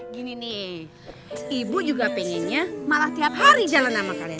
gini nih ibu juga pengennya malah tiap hari jalan sama kalian